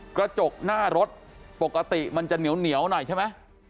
กระจกหน้ารถปกติมันจะเหนียวหน่อยใช่ไหม